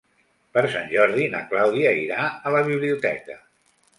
Per Sant Jordi na Clàudia irà a la biblioteca.